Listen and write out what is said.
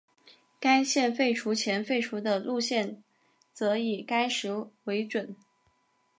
该线废除前废除的路线则以该时为准。